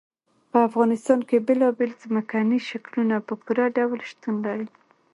په افغانستان کې بېلابېل ځمکني شکلونه په پوره ډول شتون لري.